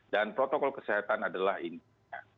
dan protokol kesehatan adalah intinya